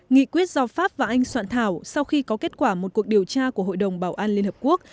nghị quyết do pháp và anh soạn thảo sau khi có kết quả một cuộc điều tra của hội đồng bảo an liên hợp quốc